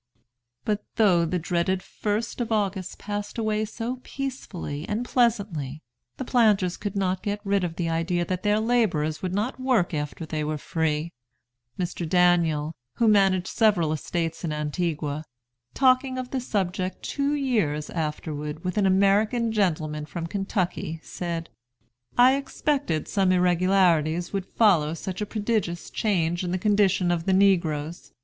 '" But though the dreaded 1st of August passed away so peacefully and pleasantly, the planters could not get rid of the idea that their laborers would not work after they were free. Mr. Daniell, who managed several estates in Antigua, talking of the subject, two years afterward, with an American gentleman from Kentucky, said: "I expected some irregularities would follow such a prodigious change in the condition of the negroes.